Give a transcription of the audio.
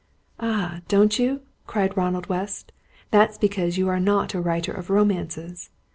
"Ah, don't you?" cried Ronald West. "That's because you are not a writer of romances!